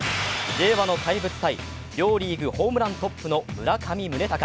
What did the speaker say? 令和の怪物対両リーグホームラントップの村上宗隆。